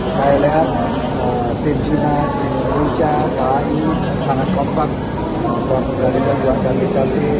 saya lihat tim cina tim indonesia kai sangat kompak untuk berjalan dengan beratkan di kpi